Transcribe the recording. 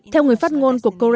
theo người phát ngôn của korea